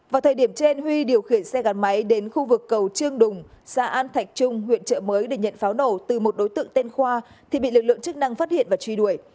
vào thời điểm trên huy điều khiển xe gắn máy đến khu vực cầu trương đùng xã an thạch trung huyện trợ mới để nhận pháo nổ từ một đối tượng tên khoa thì bị lực lượng chức năng phát hiện và truy đuổi